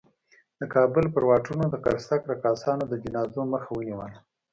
د کابل پر واټونو د قرصک رقاصانو د جنازو مخه ونیوله.